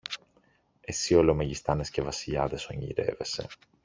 Εσύ όλο μεγιστάνες και βασιλιάδες ονειρεύεσαι